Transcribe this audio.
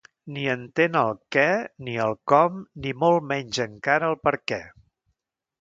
Ni entén el què ni el com ni molt menys encara el perquè.